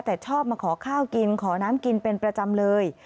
แต่ชอบมาขอข้าวกินขอน้ำกินเป็นประจำเลย